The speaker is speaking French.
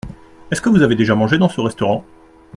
Est-ce que vous avez déjà mangé dans ce restaurant ?